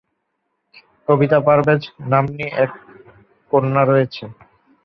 কবিতা পারভেজ নাম্নী এক কন্যা রয়েছে।